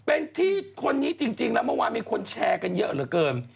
เป็นที่คนนี้จริงแล้วเมื่อวานมีคนแชร์กันเยอะเหลือเกิน